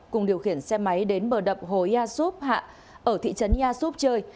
cùng điều khiển xe máy đến bờ đập hồ ia súp hạ ở thị trấn ia súp chơi